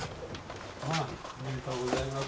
おめでとうございます。